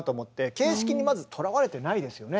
形式にまずとらわれてないですよね。